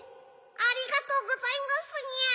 ありがとうございますにゃ！